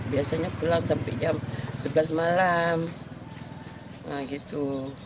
biasanya pulang sampai jam sebelas malam gitu